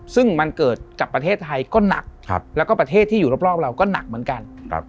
ซึ่งมันเกิดกับประเทศไทยก็หนักแล้วก็ประเทศที่อยู่รอบเราก็หนักเหมือนกัน